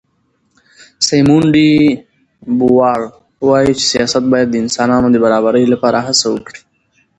سیمون ډي بووار وایي چې سیاست باید د انسانانو د برابرۍ لپاره هڅه وکړي.